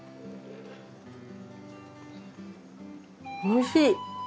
おいしい！